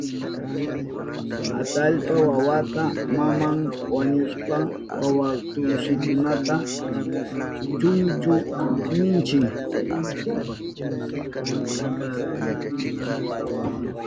Atallpa wawapa maman wañushpan wawastukunata chunchu ninchi.